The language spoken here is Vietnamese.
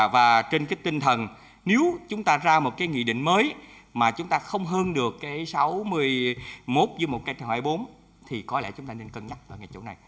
và trên cái tinh thần nếu chúng ta ra một cái nghị định mới mà chúng ta không hơn được cái sáu mươi một như một cái hoài bốn thì có lẽ chúng ta nên cân nhắc ở cái chỗ này